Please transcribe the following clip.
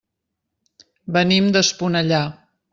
Venim d'Esponellà.